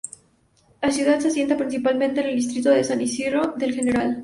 La ciudad se asienta principalmente en el distrito del San Isidro de El General.